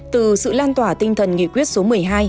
từ sự lan tỏa tinh thần nghị quyết số một mươi hai